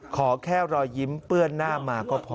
ขอแค่รอยยิ้มเปื้อนหน้ามาก็พอ